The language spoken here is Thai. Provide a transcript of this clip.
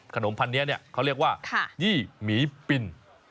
ขนมพันนี้เขาเรียกว่ายี่หมีปิน